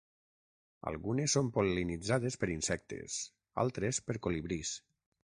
Algunes són pol·linitzades per insectes, altres per colibrís.